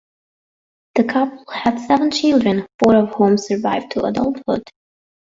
The couple had seven children, four of whom survived to adulthood.